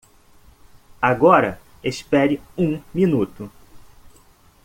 Agora espere um minuto!